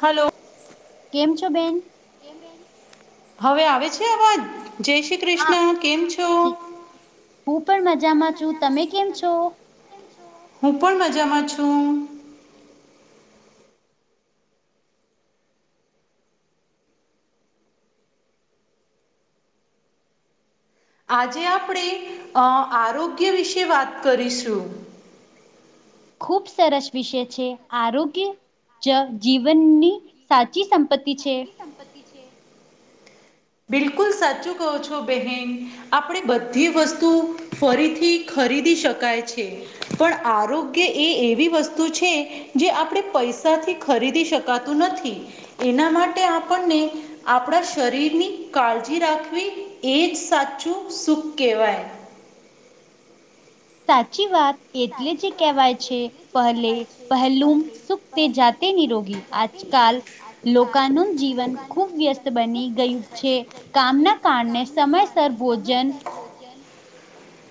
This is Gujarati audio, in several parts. હલો. કેમ છો બેન. હવે આવે છે આવાજ જય શ્રી હા કૃષ્ણ કેમ છો જી હું પણ મજામાં છું તમે કેમ છો. હું પણ મજામાં છું. આજે આપણે અ આરોગ્ય વિશે વાત કરીશું. ખુબ સરસ વિષય છે આરોગ્ય. જ જીવનની સાચી સંપત્તિ છે. બિલકુલ સાચું કહો છો બહેન. આપણે બધી વસ્તુ ફરીથી ખરીદી શકાય છે. પણ આરોગ્ય એ એવી વસ્તુ છે. જે આપડે પૈસાથી ખરીદી શકાતું નથી એના માટે આપણને આપડા શરીરની કાળજી રાખવી એજ સાચું સુખ કહેવાય. સાચી વાત એટલે જે કહેવાય છે પહેલે પહેલુમ સુખતે જાતે નિરોગી આ જકાલ લોકાનું જીવન ખૂબ વ્યસ્ત બની ગયું છે. કામના કારણે સમયસર ભોજન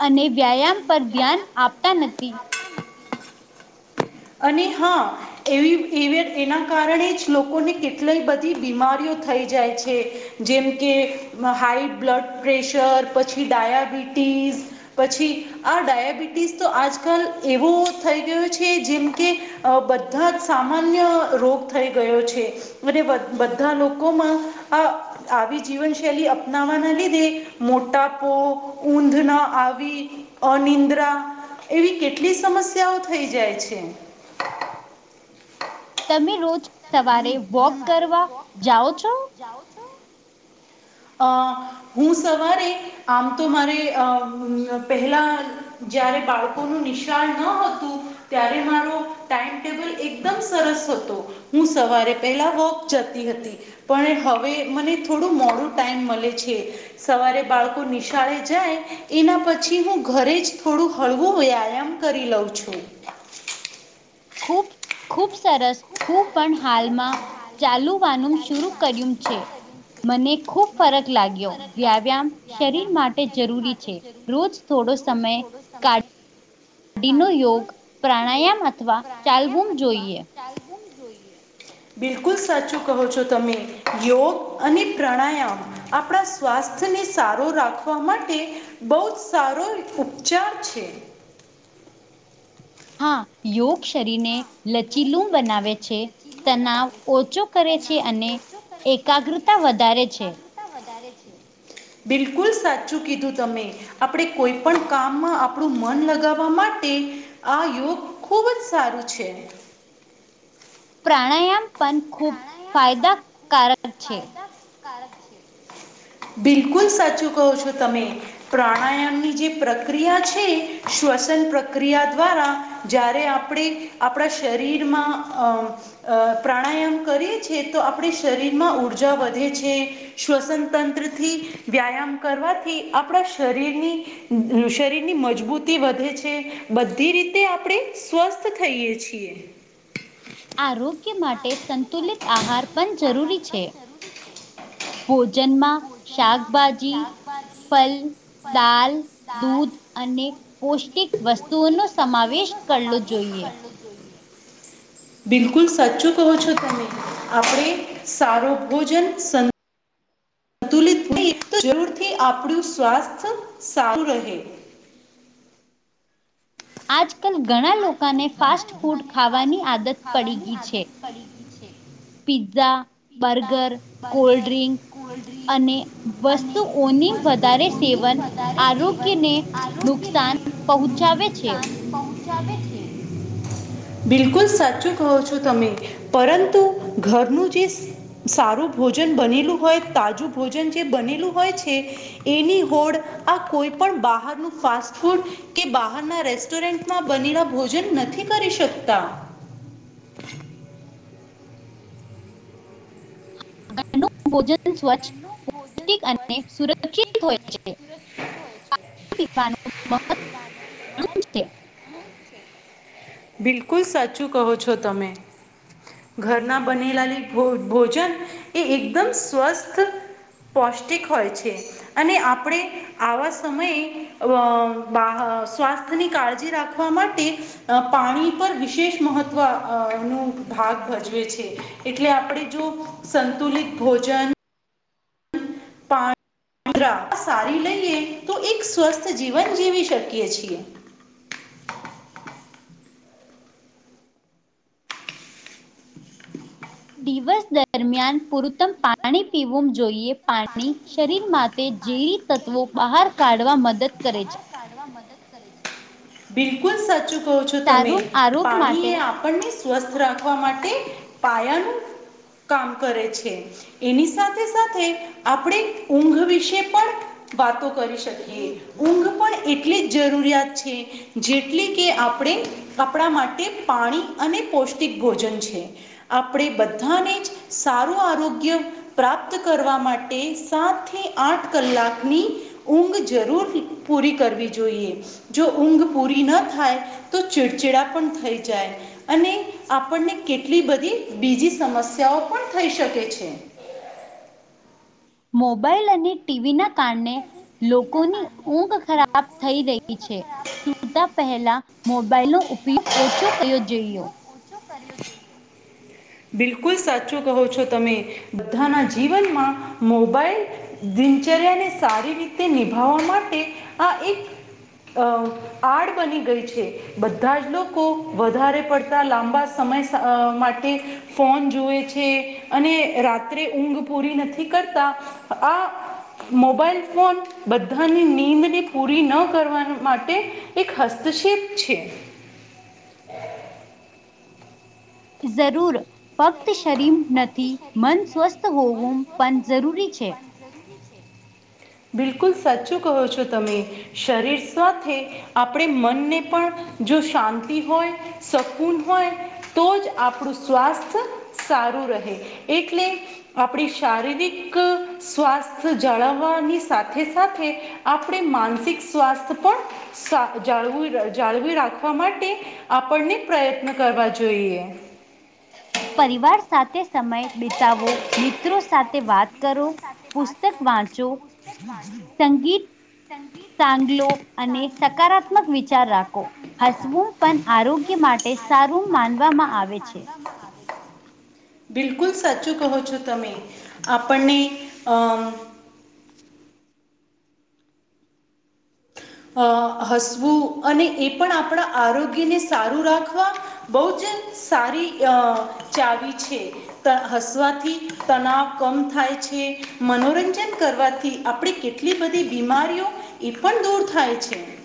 અને વ્યાયામ પર ધ્યાન આપતા નતી અને હા એવી એવે એના કારણે જ લોકોને કેટલય બધી બીમારીઓ થઈ જાય છે. જેમકે હાઈ બ્લડ પ્રેશર પછી ડાયાબિટીસ પછી આ ડાયાબિટીસ તો આજકાલ એવું થઈ ગયું છે જેમ કે અ બધા જ સામાન્ય રોગ થઈ ગયો છે અને બધા લોકોમાં આ આવી જીવનશૈલી અપનાવાના લીધે મોટા પો ઊંધ ના આવી અનિદ્રા એવી કેટલી સમસ્યાઓ થઈ જાય છે તમે રોજ તમે સવારે વોક સવારે કરવા વોક જાઓ કરવા છો? જાઓ છો. અ હું સવારે આમ તો મારે અ પહેલા જયારે બાળકોનું નિશાળ ન હતું ત્યારે મારો ટાઈમટેબલ એકદમ સરસ હતો. હું સવારે પેલા વોક જતી હતી પણ હવે મને થોડું મોડું ટાઈમ મલે છે. સવારે બાળકો નિશાળે જાય એના પછી હું ઘરે જ થોડું હળવું વ્યાયામ કરી લઉં છું. ખૂબ ખુબ સરસ હું પણ હાલમાં ચાલુવાનું સુરુ કર્યું છે મને ખુબ ફરક લાગ્યો વ્યાયામ શરીર માટે જરૂરી છે રોજ થોડો સમય સમય ડીનો યોગ પ્રાણાયામ અથવા ચાલવુમ જોઈએ. ચાલવુમ જોઈએ. બિલકુલ સાચું કહો છો તમે યોગ અને પ્રાણાયા યામ આપણા સ્વાસ્થ્યને સારું રાખવા માટે બહુ જ સારો ઉપચાર છે. હા યોગ શરીરને લચીલૂ બનાવે છે તનાવ ઓછો કરે છે તનાવ અને ઓછો કરે છે અને એકાગ્રતા વધારે છે એકાગ્રતા વધારે છે. બિલકુલ સાચું કીધું તમે આપડે કોઈ પણ કામમાં આપણું મન લગાવા માટે આ યોગ ખૂબ જ સારું છે. પ્રાણાયામ પણ ખૂબ ફાયદાકારક છે. બિલકુલ સાચું કહો છો તમે. પ્રાણાયામની જે પ્રક્રિયા છે શ્વસન પ્રક્રિયા દ્વારા જ્યારે આપડે આપડા શરીરમાં અમ અ પ્રાણાયામ કરીએ છે તો આપડે શરીરમાં ઉર્જા વધે છે. શ્વસન તંત્રથી વ્યાયામ કરવાથી આપડા શરીરની શરીરની મજબૂતી વધે છે બધી રીતે આપડે સ્વસ્થ થઈએ છીએ આરોગ્ય માટે સંતુલિત આહાર પણ જરૂરી છે ભોજ જન્મા શાકભાજી ફલ દાલ દૂધ અને પૌષ્ટિક વસ્તુઓનો સમાવેશ કરલો જોઈએ. [inaudible] બિલકુલ સાચું કહો છો તમે આપણે સારો ભોજન તુલિત જરૂરથી આપડું સ્વાસ્થ્ય સારું રહે આજકાલ ઘણા લોકોને ફાસ્ટ ફૂડ ખાવાની આદત પડી ગઈ છે ફરીથી છે પિઝા બર્ગર કોલ્ડડ્રિંક અને વસ્તુઓની વધારે સેવન આરોગ્યને નુકસાન પહોંચાવે છે પહોચાવે છે બિલકુલ સાચું કહો છો તમે પરંતુ ઘરનું જે સારું ભોજન બનેલું હોય તાજું ભોજન જે બનેલું હોય છે એની હોડ આ કોઈ પણ બહારનું ફાસ્ટ ફૂડ કે બહારના રેસ્ટોરન્ટ મા બનેલા ભોજન નથી કરી શકતા ઘરનું ભોજન સ્વચ્છ ભોજન પૌષ્ટિક અને સુરક્ષિત સ્વતતિક હોય અને છે સુરક્ષિત હોય છે [unintelligible] બિલકુલ સાચું કહો છો તમે ઘરના બનેલાલી ભોજન એ એકદમ સ્વસ્થ સ્પષ્ટિક હોય છે. અને આપણે આવા સમયે બા સ્વાસ્થ્યની કાળજી રાખવા માટે પાણી પર વિશેષ મહત્વ નું ભાગ ભજવે છે. એટલે આપણે જો સંતુલિત ભોજન મુદ્રા આ સારી લઈએ તો એક સ્વસ્થ જીવન જીવી શકીએ છીએ. દિવસ દરમિયાન પુરત્તમ પાણી પીવું જોઈએ. પાણી શરીર માટે ઝેરી તત્વો બહાર કાઢવા મદદ કરે છે. બિલકુલ સાચું કહો છો તમે સારું આરોગ્ય પાણી માટે એ આપને સ્વસ્થ રાખવા માટે પાયાનું કામ કરે છે એની સાથે સાથે આપણે ઊંઘ વિશે પણ વાતો કરી શકીએ ઊંઘ પણ એટલી જ જરૂરિયાત છે. જેટલી કે આપણે આપણા માટે પાણી અને પૌષ્ટિક ભોજન છે. આપણે બધાને જ સારું આરોગ્ય પ્રાપ્ત કરવા માટે સાત થી આઠ કલાકની ઊંઘ જરૂર પૂરી કરવી જોઈએ. જો ઊંઘ પૂરી ન થાય તો ચીડચીડા પણ થઈ જાય. અને આપણને કેટલી બધી બીજી સમસ્યાઓ પણ થઈ શકે છે. મોબાઈલ અને ટીવી ના કારણે લોકોની ઊંઘ ખરાબ થઈ રહી છે સુતા પહેલા મોબાઈલનો ઉપયોગ ઓછો કરયો જઈએ. કર્યું. બિલકુલ સાચું કહો છો તમે બધાના જીવનમાં મોબાઈલ દિનચર્યાને સારી રીતે નિભાવવા માટે આ એક આડ બની ગઈ છે બધા જ લોકો વધારે પડતા લાંબા સમય અ માટે ફોન જોએ છે અને રાત્રે ઊંઘ પૂરી નથી કરતા. આ મોબાઈલ ફોન બધાની નીંદને પૂરી ન કરવા માટે એક હસ્તક્ષેપ છે. જરૂર ફક્ત શરીમ નથી મન સ્વસ્થ હોવું પણ જરૂરી છે. બિલકુલ સાચું કહો છો તમે શરીર સાથે. આપણી મન ની પણ જો શાંતિ હોય. શકૂન હોય તો જ આપણું સ્વાસ્થ્ય સારું રહે એટલે આપણી શારીરિક સ્વાસ્થ્ય જાળવવાની સાથે સાથે આપણે માનસિક સ્વાસ્થ્ય પણ સા જાળ જાળવી રાખવા માટે આપણને પ્રયત્ન કરવા જોઈએ. પરિવાર સાથે સમય બિતાવો મિત્રો સાથે વાત કરો. માટે વાત પુસ્તક કરો વાંચો પસ્ત માંધો સંગીત [inaudible] સાંગલો અને સકારાત્મક વિચાર રાખો હસવું. પણ આરોગ્ય માટે સારું માનવામાં આવે છે. બિલકુલ સાચું કહો છો તમે આપણને અ અ હસવું અને એ પણ આપણા આરોગ્ય ને સારું રાખવા. બહુજ સારી અ ચાવી છે. હસવાથી તણાવ કમ થાય છે મનોરંજન કરવાથી આપણે કેટલા એટલી બધી બીમારીઓ એ પણ દૂર થાય છે.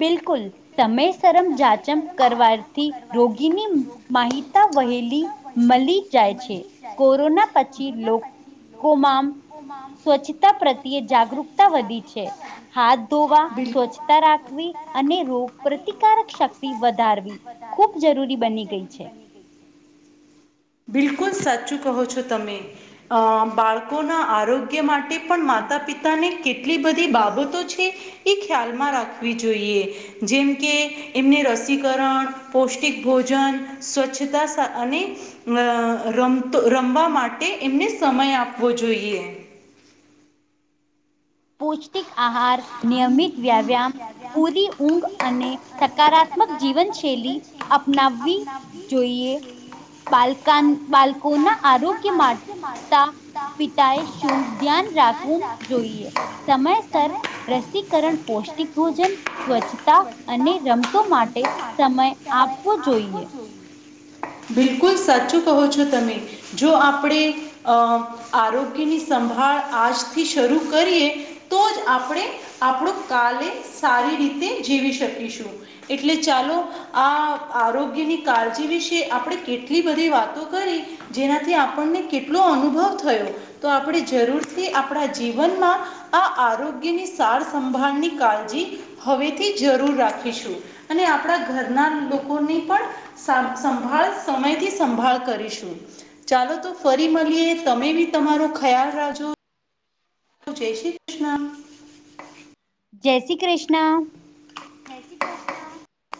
બિલકુલ. સમયસરમ જાજમ કરવાથી રોગીની માહીતા વહેલી મલી. મલી જાય છે કોરોના પછી. લોકોમાં સ્વચ્છતા પ્રત્યે જાગૃકતા વધી છે હાથ બિલ- ધોવા બિલ સ્વચ્છતા રાખ. વિ અને રોગ પ્રતિકારક શક્તિ વધારવી વધારે ખૂબ જરૂરી ખૂબ બની ગઈ જરૂરી છે. બની ગઈ. બિલકુલ સાચું કહો છો તમે. અ બાળકોના આરોગ્ય માટે પણ માતા પિતાને કેટલી બધી બાબતો છે. એ ખ્યાલમાં રાખવી જોઈએ. જેમ કે એમને રસીકરણ પૌષ્ટિક ભોજન સ્વચ્છતા અને રમતો રમવા માટે એમને સમય આપવો જોઈએ. પૌષ્ટિક આહાર નિયમિત વ્યાયામ પૂરી ઊંઘ અને સકારાત્મક જીવન શૈલી અપનાવવી જોઈએ બાલકા બાળકોના આરોગ્ય મા. ત પિતાએ શું ધ્યાન રાખવું જોઈએ સમયસર રસીકરણ પૌષ્ટિક ભોજન સ્વચ્છતા અને રમતો માટે સમય આપવો જોઈએ. બિલકુલ સાચું કહ્યું છું તમે. જો આપણે અ આરોગ્યની સંભાળ આજથી શરૂ કરીએ તો જ આપણે આપણો કાલે સારી રીતે જીવી શકીશું એટલે ચાલો આ આરોગ્યની કાળજી વિશે આપણે કેટલી બધી વાતો કરી. જેનાથી આપણને કેટલો અનુભવ થયો. તો આપણે જરૂરથી આપણા જીવનમાં આ આરોગ્યની સાર સંંભાળની કાળજી હવેથી જરૂર રાખીશું અને આપણા ઘરના લોકોને પણ સા સંભાળ સમયથી સંભાળ કરીશું. ચાલો તો ફરી મળીએ તમે બી તમારો ખ્યાલ રાજો. જય શ્રી કૃષ્ણ. જય શ્રી કૃષ્ણ. હા.